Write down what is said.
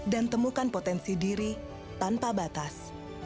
dan temukan potensi diri tanpa batas